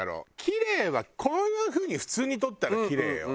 キレイはこういう風に普通に撮ったらキレイよ。